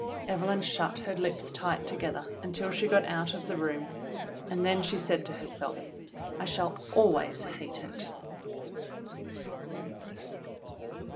Evelyn shut her lips tight together until she got out of the room, and then she said to herself, "I shall always hate it."